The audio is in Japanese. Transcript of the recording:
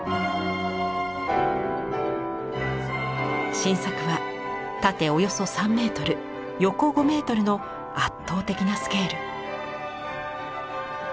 新作は縦およそ３メートル横５メートルの圧倒的なスケール。